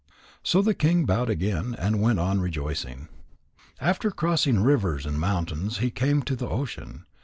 So the king bowed again and went on rejoicing. After crossing rivers and mountains he came to the ocean.